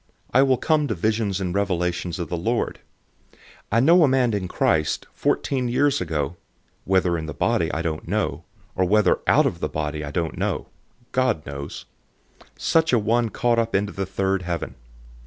For I will come to visions and revelations of the Lord. 012:002 I know a man in Christ, fourteen years ago (whether in the body, I don't know, or whether out of the body, I don't know; God knows), such a one caught up into the third heaven.